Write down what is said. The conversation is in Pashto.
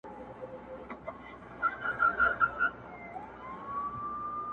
کال ته به مرمه.